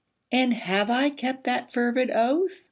And have I kept that fervid oath?